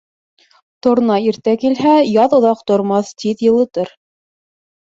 Торна иртә килһә, яҙ оҙаҡ тормаҫ, тиҙ йылытыр.